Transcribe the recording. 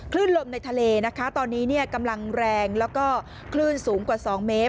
ลมในทะเลนะคะตอนนี้กำลังแรงแล้วก็คลื่นสูงกว่า๒เมตร